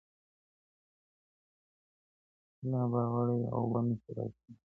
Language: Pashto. له باوړیه اوبه نه سي را ایستلای